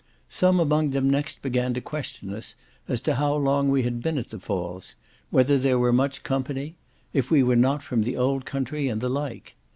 Some among them next began to question us as to how long we had been at the Falls; whether there were much company; if we were not from the old country, and the like.